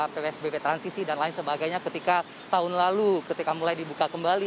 psbb transisi dan lain sebagainya ketika tahun lalu ketika mulai dibuka kembali